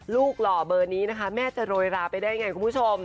หล่อเบอร์นี้นะคะแม่จะโรยราไปได้ไงคุณผู้ชม